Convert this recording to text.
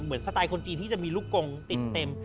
สไตล์คนจีนที่จะมีลูกกงติดเต็ม